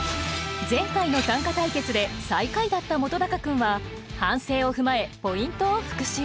前回の短歌対決で最下位だった本君は反省を踏まえポイントを復習。